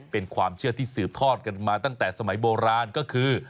เป็นความเชื่อที่สืบทอดกันมาตั้งแต่สมัยโบราณก็คือ